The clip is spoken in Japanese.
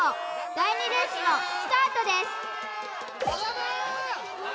第２レースのスタートです・和田まん！